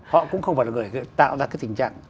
họ cũng không phải là người tạo ra cái tình trạng